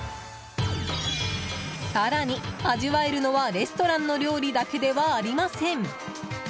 更に、味わえるのはレストランの料理だけではありません。